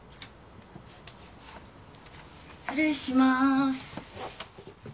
失礼します。